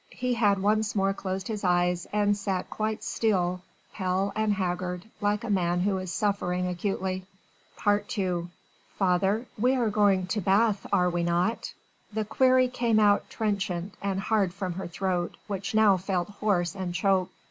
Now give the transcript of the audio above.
He had once more closed his eyes and sat quite still, pale and haggard, like a man who is suffering acutely. II "Father we are going back to Bath, are we not?" The query came out trenchant and hard from her throat which now felt hoarse and choked.